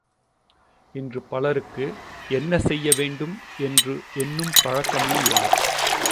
இன்று பலருக்கு என்ன செய்யவேண்டும் என்று எண்ணும் பழக்கமே இல்லை!